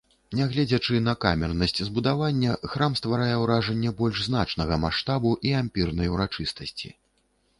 Нягледзячы на камернасць збудавання, храм стварае ўражанне больш значнага маштабу і ампірнай урачыстасці.